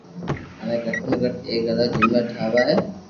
مني گھٽ ۾ گھت ايڪ ھزار جملا ٺاوا ھي